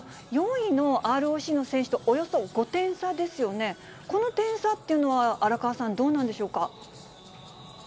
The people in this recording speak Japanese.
４位のＲＯＣの選手とおよそ５点差でしたよね、この点差っていうのは、荒川さん、どうなんでしょうか。